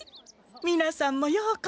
みなさんもようこそ。